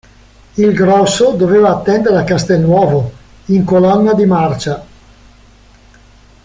Il grosso doveva attendere a Castelnuovo, in colonna di marcia.